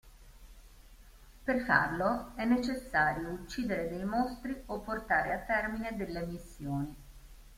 Per farlo, è necessario uccidere dei mostri o portare a termine delle missioni.